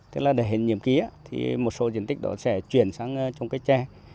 tức là để hình nhiệm kỳ thì một số diện tích đó sẽ chuyển sang trong cái trè